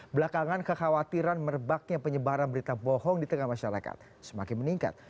belakangan kekhawatiran merebaknya penyebaran berita bohong di tengah masyarakat semakin meningkat